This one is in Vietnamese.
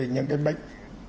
những cái bệnh